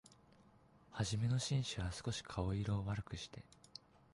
はじめの紳士は、すこし顔色を悪くして、